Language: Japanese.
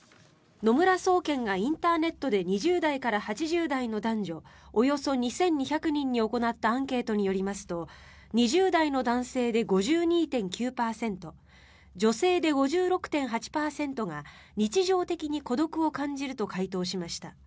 野村総研がインターネットで２０代から８０代の男女およそ２２００人に行ったアンケートによりますと２０代の男性で５２．９％女性で５６．８％が日常的に孤独を感じると回答しました。